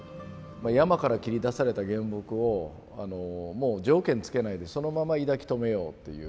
山から切り出された原木をもう条件つけないでそのまま抱き留めようっていう。